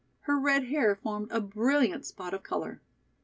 Her red hair formed a brilliant spot of color.